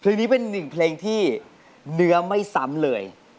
เพลงนี้เป็นหนึ่งเพลงที่เนื้อไม่ซ้ำเลย